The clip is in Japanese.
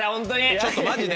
ちょっとマジで。